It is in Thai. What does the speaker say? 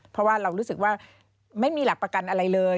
เพราะว่าเรารู้สึกว่าไม่มีหลักประกันอะไรเลย